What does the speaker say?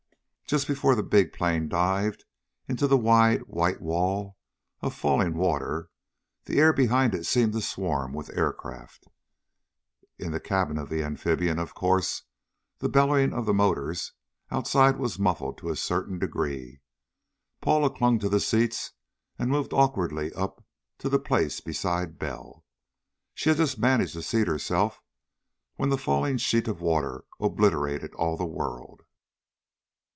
Just before the big plane dived into the wide white wall of falling water, the air behind it seemed to swarm with aircraft. In the cabin of the amphibian, of course, the bellowing of the motors outside was muffled to a certain degree. Paula clung to the seats and moved awkwardly up to the place beside Bell. She had just managed to seat herself when the falling sheet of water obliterated all the world.